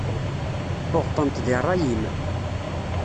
Tuɣeḍ-tent di rray-im.